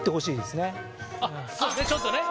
ちょっとね。